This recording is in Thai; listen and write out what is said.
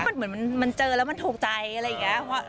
มันเหมือนมันเจอแล้วมันถูกใจอะไรอย่างนี้